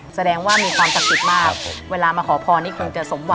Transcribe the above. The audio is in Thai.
แสดงว่ามีความศักดิ์สิทธิ์มากเวลามาขอพรนี่คงจะสมหวัง